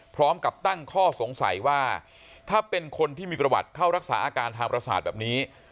พร้อมกับตั้งข้อสงสัยว่าถ้าเป็นคนที่มีประวัติเข้ารักษาอาการทางประสาทแบบนี้